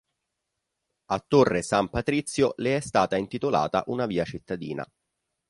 A Torre San Patrizio le è stata intitolata una via cittadina.